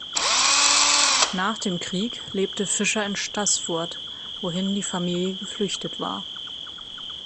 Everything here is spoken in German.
Nach dem Krieg lebte Fischer in Staßfurt, wohin die Familie geflüchtet war.